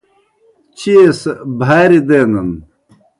چیئے سہ بھاریْ دینِن۔